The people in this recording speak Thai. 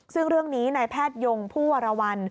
ซึ่งเรื่องนี้นายแพทยงผู้วรวรรณ